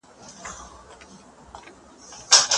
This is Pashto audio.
ځمکه له نورو سیارو څخه بدله ده.